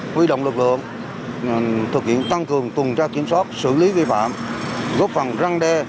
quy động lực lượng thực hiện tăng cường tuần tra kiểm soát xử lý vi phạm góp phần răng đe